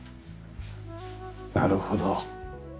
なるほど。